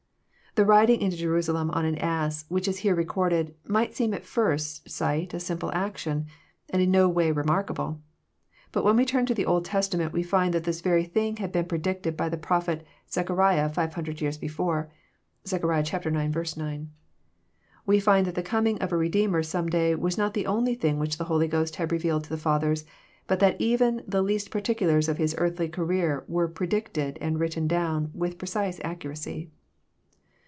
The riding into Jerusalem on an ass, which is here recorded, might seem at first sight a simple action, and in no way remarkable. But when we turn to the Old Testament, we find that this very thing had been predicted by the Prophet Zechariah ^ve hundred years before. (Zech. ix. 9.) We find that the coming of a Redeems some day was not the only thing which the Holy Ghost had revealed to the Fathers, but that even the least particulars of His earthly career were predicted and written down with precise accuracy.